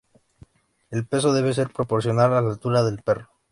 El peso debe ser proporcional a la altura del perro.